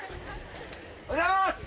おはようございます！